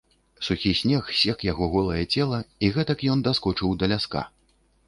Сухі снег сек яго голае цела, і гэтак ён даскочыў да ляска.